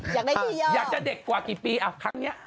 อยากได้ที่เยอะอยากจะเด็กกว่ากี่ปีเอ้าครั้งเนี้ย